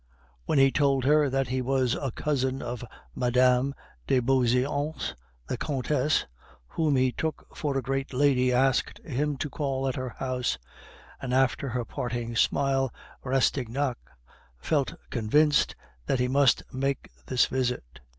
When he told her that he was a cousin of Mme. de Beauseant's, the Countess, whom he took for a great lady, asked him to call at her house, and after her parting smile, Rastignac felt convinced that he must make this visit.